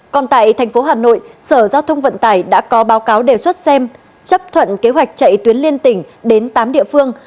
còn tại tp hcm sở giao thông vận tải đã có báo cáo đề xuất xem chấp thuận kế hoạch chạy tuyến liên tỉnh đến tám địa phương